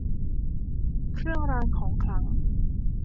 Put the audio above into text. เครื่องรางของขลัง